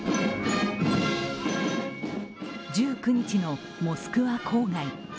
１９日のモスクワ郊外。